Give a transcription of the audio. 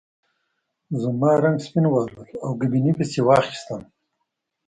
زما رنګ سپین والوت او ګبڼۍ پسې واخیستم.